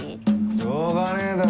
しょうがねえだろ